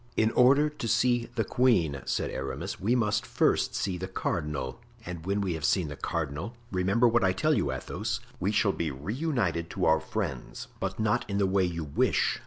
"In order to see the queen," said Aramis, "we must first see the cardinal; and when we have seen the cardinal—remember what I tell you, Athos—we shall be reunited to our friends, but not in the way you wish.